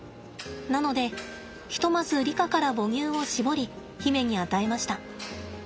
なのでひとまずリカから母乳を搾り媛に与えました。